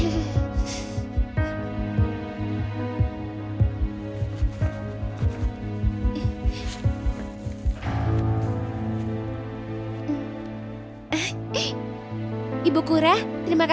nanti aku dateng